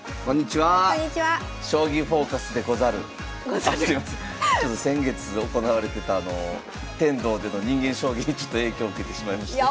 ちょっと先月行われてた天童での人間将棋にちょっと影響受けてしまいまして。